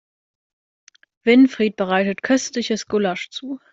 Winfried bereitet köstliches Gulasch zu.